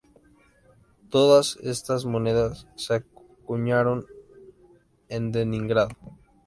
Todas estas monedas se acuñaron en Leningrado.